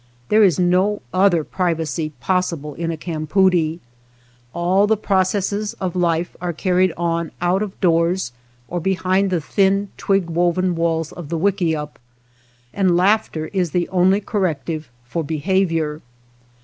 There is no other privacy possible in a campoodie. All the processes of life are carried on out of doors or behind the thin, twig woven walls of the wickiup, and laughter is the only corrective for behavior.